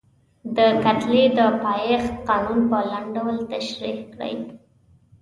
د کتلې د پایښت قانون په لنډ ډول تشریح کړئ.